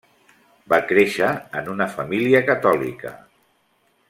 Va créixer en una família catòlica.